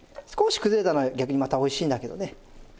少し崩れたのが逆にまたおいしいんだけどね。